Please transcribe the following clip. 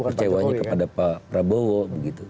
kecewanya kepada pak prabowo begitu